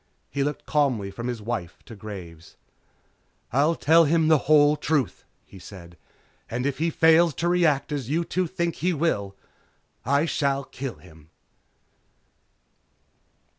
He looked calmly from his wife to Graves. "I'll tell him the whole truth," he said, "And if he fails to react as you two think he will, I shall kill him."